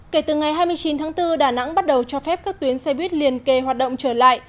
kể từ ngày hai mươi chín tháng bốn đà nẵng bắt đầu cho phép các tuyến xe buýt liền kề hoạt động trở lại